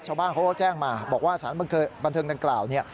ชาวบ้านเขาก็แจ้งมาบอกว่าสารบันเทิงดังกล่าวเนี่ย